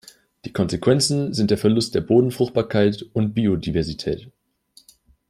Die Konsequenzen sind der Verlust der Bodenfruchtbarkeit und Biodiversität.